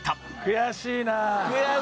悔しいなあ。